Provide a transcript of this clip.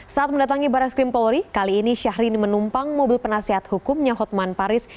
saat mendatangi barat skrim polri kali ini syahrini menumpang mobil penasihat hukumnya hotman paris